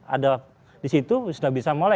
ada di situ sudah bisa mulai